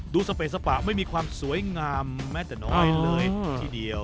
สเปสปะไม่มีความสวยงามแม้แต่น้อยเลยทีเดียว